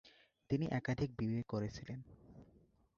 তিনি একাধিক বিয়ে করেছিলেন।